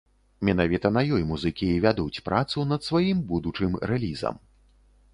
Менавіта на ёй музыкі і вядуць працу над сваім будучым рэлізам.